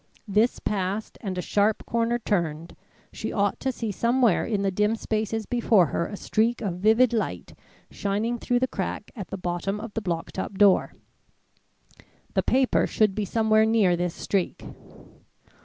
This passed, and a sharp corner turned, she ought to see somewhere in the dim spaces before her a streak of vivid light shining through the crack at the bottom of the blocked up door. The paper should be somewhere near this streak.